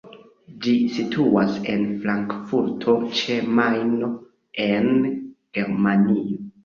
Ĝi situas en Frankfurto ĉe Majno, en Germanio.